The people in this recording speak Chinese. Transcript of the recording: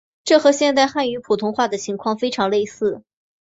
这和现代汉语普通话的情况非常类似。